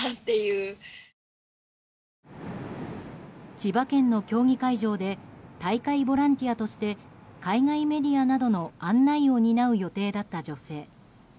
千葉県の競技会場で大会ボランティアとして海外メディアなどの案内を担う予定だった女性。